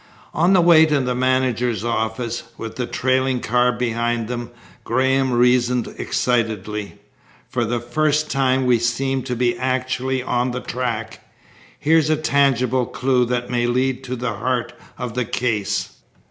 On the way to the managers' office, with the trailing car behind them, Graham reasoned excitedly: "For the first time we seem to be actually on the track. Here's a tangible clue that may lead to the heart of the case.